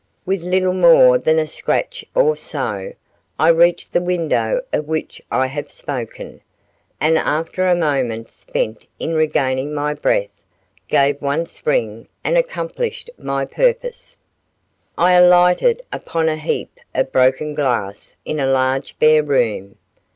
With little more than a scratch or so, I reached the window of which I have spoken, and after a moment spent in regaining my breath, gave one spring and accomplished my purpose. I alighted upon a heap of broken glass in a large bare room.